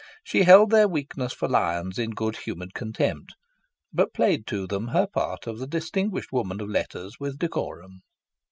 She held their weakness for lions in good humoured contempt, but played to them her part of the distinguished woman of letters with decorum.